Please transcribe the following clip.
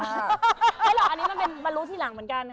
ไม่หรอกอันนี้มันมารู้ทีหลังเหมือนกัน